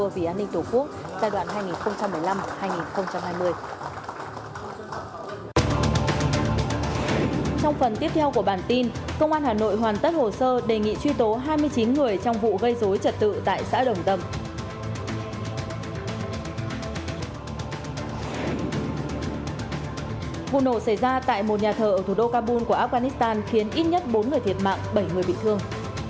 vụ nổ xảy ra tại một nhà thờ ở thủ đô kabul của afghanistan khiến ít nhất bốn người thiệt mạng bảy người bị thương